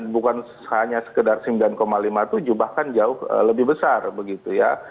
bukan hanya sekedar sembilan lima puluh tujuh bahkan jauh lebih besar begitu ya